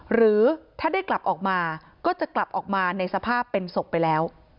หรือถ้าได้กลับออกมาก็จะกลับออกมาในสภาพเป็นศพไปแล้ว